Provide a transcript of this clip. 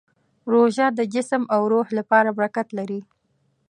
روژه د جسم او روح لپاره برکت لري.